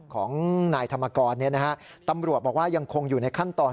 ของนายธรรมกรตำรวจบอกว่ายังคงอยู่ในขั้นตอน